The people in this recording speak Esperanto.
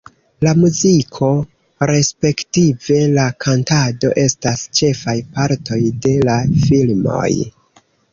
La muziko, respektive la kantado estas ĉefaj partoj de la filmoj.